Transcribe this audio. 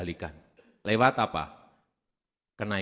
jadi jika mereka omdat kita di setara segala mengeluarkan